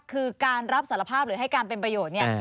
คือการรับสารภาพหรือให้การเป็นประโยชน์เนี่ย